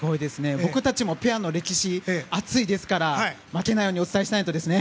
僕たちもペアの歴史熱いですから負けないようにお伝えしないとですね！